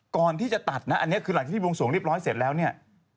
ก่อนที่จะตัดนะอันนี้คือหลังจากที่บวงสวงเรียบร้อยเสร็จแล้วเนี่ย